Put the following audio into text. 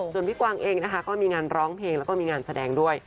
ส่วนพี่กวางเองนะคะก็มีงานร้องเพลงแล้วก็มีงานแสดงด้วย